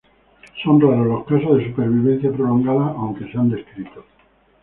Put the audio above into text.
Son raros los casos de supervivencia prolongada, aunque se han descrito.